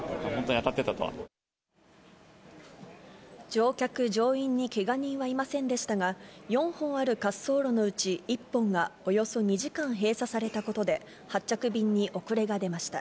乗客・乗員にけが人はいませんでしたが、４本ある滑走路のうち、１本がおよそ２時間閉鎖されたことで、発着便に遅れが出ました。